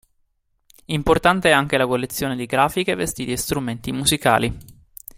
Importante è anche la collezione di grafiche, vestiti e strumenti musicali.